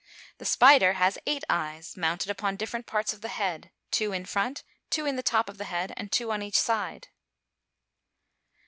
The spider has eight eyes, mounted upon different parts of the head; two in front, two in the top of the head, and two on each side.